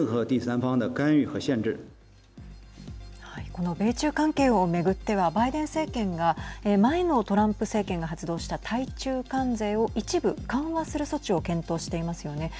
この米中関係を巡ってはバイデン政権が前のトランプ政権が発動した対中関税を一部緩和する措置を検討していますよね。